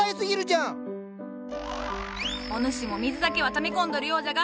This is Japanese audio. お主も水だけはため込んどるようじゃが！